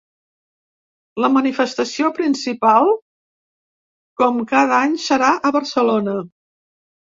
La manifestació principal, com cada any, serà a Barcelona.